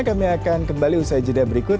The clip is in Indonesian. kami akan kembali usai jeda berikut